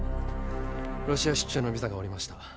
ロシア出張のビザが下りました